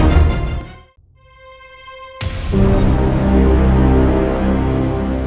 pihaknya kita sudah di rumah